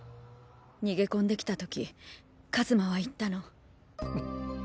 逃げ込んできた時一馬は言ったの。